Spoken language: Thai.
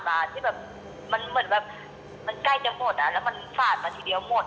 และตอนนี้พอเพลงขั้นหนูขึ้นหนูก็ขึ้นเพราะเป็นเพลงเปิดตัวหนู